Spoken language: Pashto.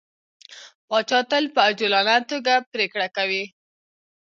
پاچا تل په عجولانه ټوګه پرېکړه کوي.